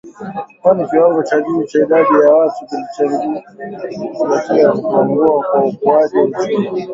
kwani kiwango cha juu cha idadi ya watu kilichangia katika kupungua kwa ukuaji wa uchumi